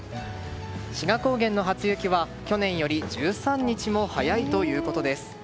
志賀高原の初雪は、去年よりも１３日早いということです。